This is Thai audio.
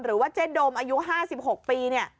หรือว่าเจ๊ดมอายุ๕๖ปีเนี่ย